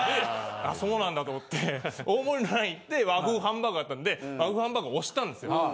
ああそうなんだと思って大盛りの欄いって和風ハンバーグがあったんで和風ハンバーグ押したんですよ。